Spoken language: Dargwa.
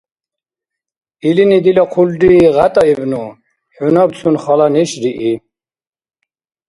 Илини дила хъулри гъятӀаибну, хӀу набцун хала неш рии.